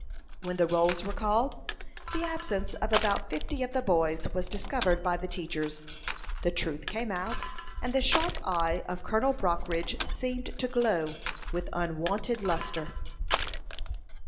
When the rolls were called, the absence of about fifty of the boys was discovered by the teachers. The truth came out, and the sharp eye of Colonel Brockridge seemed to glow with unwonted lustre.